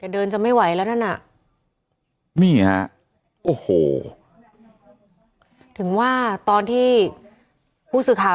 แต่เดินจะไม่ไหวแล้วนั่นน่ะนี่ฮะโอ้โหถึงว่าตอนที่ผู้สื่อข่าว